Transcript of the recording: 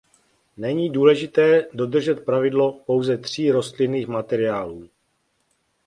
Není důležité dodržet pravidlo pouze tří rostlinných materiálů.